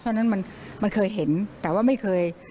เพราะฉะนั้นมันเคยเห็นแต่ว่าไม่เคย